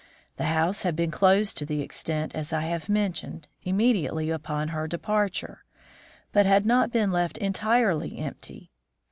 The house had been closed to the extent I have mentioned, immediately upon her departure, but had not been left entirely empty.